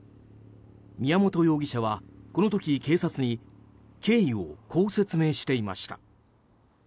宮本容疑者はこの時、警察に経緯をこう説明していました。